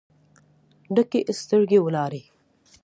ډکې سترګې ولاړې